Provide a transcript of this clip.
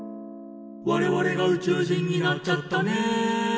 「我々が宇宙人になっちゃったね」